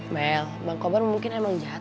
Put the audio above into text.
mel bang kobar mungkin emang jahat